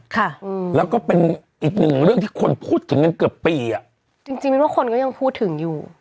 ค่ะอืมแล้วก็เป็นอีกหนึ่งเรื่องที่คนพูดถึงกันเกือบปีอ่ะจริงจริงมินว่าคนก็ยังพูดถึงอยู่